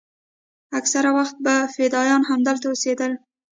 اکثره وخت به فدايان همدلته اوسېدل.